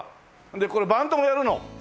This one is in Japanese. でこれバンドもやるの？